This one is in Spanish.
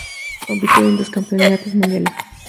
Compitió en dos campeonatos mundiales.